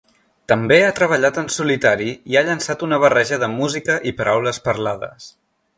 També ha treballat en solitari i ha llançat una barreja de música i paraules parlades.